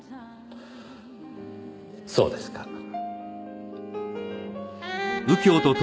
そうですか。